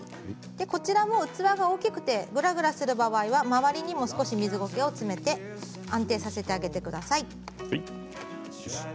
こちらも器が大きくてぐらぐらする場合は周りにも少し水ゴケを詰めて安定させてください。